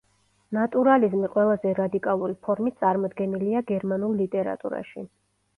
ნატურალიზმი ყველაზე რადიკალური ფორმით წარმოდგენილია გერმანულ ლიტერატურაში.